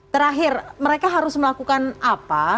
terakhir mereka harus melakukan apa